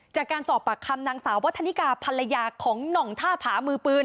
จากการสอบปากคำนางสาววัฒนิกาภรรยาของหน่องท่าผามือปืน